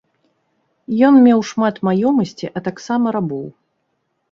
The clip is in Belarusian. Ён меў шмат маёмасці, а таксама рабоў.